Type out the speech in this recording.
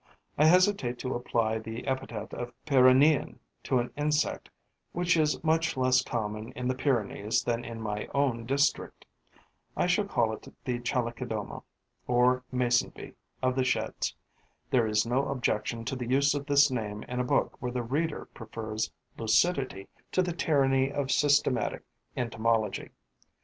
I hesitate to apply the epithet of Pyrenean to an insect which is much less common in the Pyrenees than in my own district. I shall call it the Chalicodoma, or Mason bee, of the Sheds. There is no objection to the use of this name in a book where the reader prefers lucidity to the tyranny of systematic entomology.